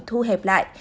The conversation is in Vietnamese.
thu hẹp lại